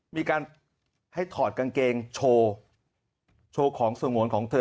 มีการให้ถอดกางเกงโชว์โชว์ของสงวนของเธอ